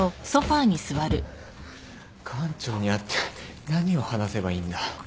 館長に会って何を話せばいいんだ。